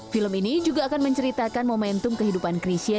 film ini juga akan menceritakan momentum kehidupan krisha